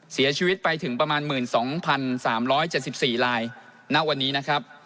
เสียชีวิตไปถึงประมาณหมื่นสองพันสามร้อยเจ็ดสิบสี่ลายณวันนี้นะครับ